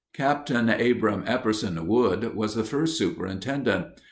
Captain Abram Epperson Wood was the first superintendent.